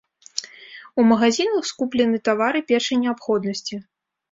У магазінах скуплены тавары першай неабходнасці.